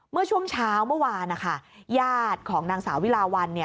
เมื่อช่วงเช้าเมื่อวานนะคะญาติของนางสาววิลาวัน